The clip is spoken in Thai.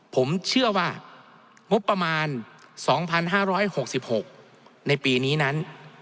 ผมเชื่อว่างบประมาณ๒๕๖๖ในปีนี้นั้น